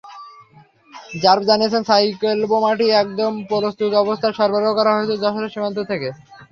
RAB জানিয়েছে, সাইকেলবোমাটি একদম প্রস্তুত অবস্থায় সরবরাহ করা হয়েছে যশোরের সীমান্ত থেকে।